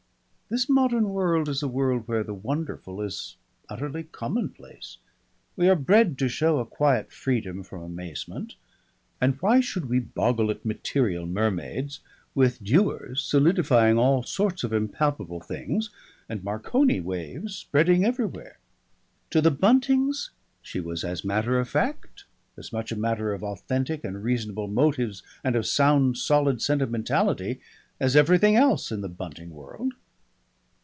This modern world is a world where the wonderful is utterly commonplace. We are bred to show a quiet freedom from amazement, and why should we boggle at material Mermaids, with Dewars solidifying all sorts of impalpable things and Marconi waves spreading everywhere? To the Buntings she was as matter of fact, as much a matter of authentic and reasonable motives and of sound solid sentimentality, as everything else in the Bunting world.